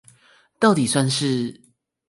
到底算是